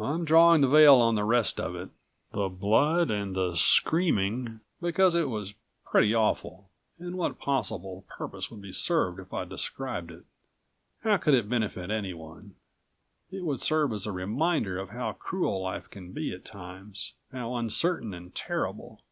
I'm drawing the veil on the rest of it the blood and the screaming because it was pretty awful, and what possible purpose would be served if I described it? How could it benefit anyone? It would serve as a reminder of how cruel life can be at times, how uncertain and terrible.